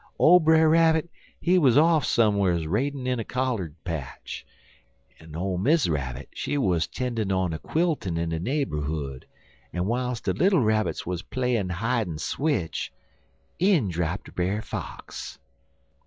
Ole Brer Rabbit, he wuz off some'rs raiding on a collard patch, en ole Miss Rabbit she wuz tendin' on a quiltin' in de naberhood, en wiles de little Rabbits wuz playin' hidin' switch, in drapt Brer Fox.